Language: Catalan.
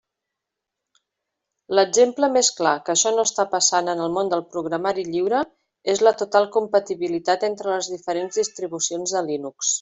L'exemple més clar que això no està passant en el món del programari lliure és la total compatibilitat entre les diferents distribucions de Linux.